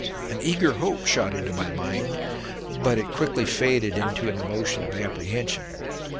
An eager hope shot into my mind, but it quickly faded into an emotion of apprehension.